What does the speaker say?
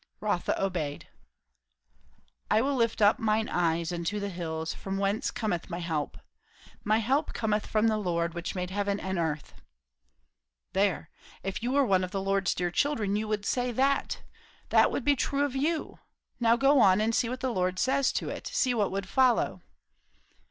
Rotha obeyed. "'I will lift up mine eyes unto the hills, from whence cometh my help. My help cometh from the Lord, which made heaven and earth'" "There! if you were one of the Lord's dear children, you would say that; that would be true of you. Now go on, and see what the Lord says to it; see what would follow."